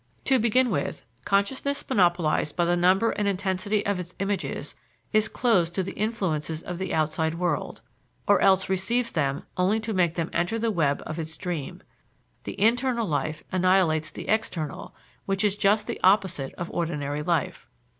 To begin with, consciousness monopolized by the number and intensity of its images is closed to the influences of the outside world, or else receives them only to make them enter the web of its dream. The internal life annihilates the external, which is just the opposite of ordinary life.